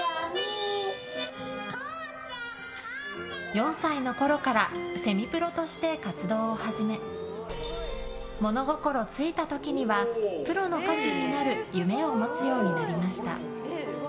４歳のころからセミプロとして活動を始め物心ついた時にはプロの歌手になる夢を持つようになりました。